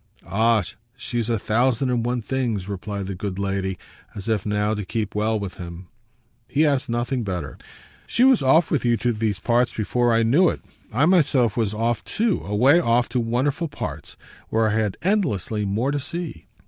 "Ah she's a thousand and one things!" replied the good lady, as if now to keep well with him. He asked nothing better. "She was off with you to these parts before I knew it. I myself was off too away off to wonderful parts, where I had endlessly more to see."